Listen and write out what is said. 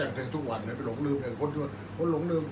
อันไหนที่มันไม่จริงแล้วอาจารย์อยากพูด